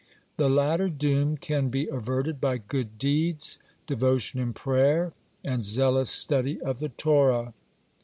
The latter doom can be averted by good deeds, devotion in prayer, and zealous study of the Torah.